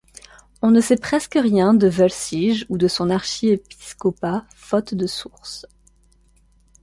On ne sait presque rien de Wulfsige ou de son archiépiscopat, faute de sources.